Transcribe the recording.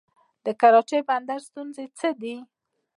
د کراچۍ بندر ستونزې څه دي؟